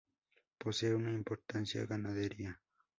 Posee una importante ganadería.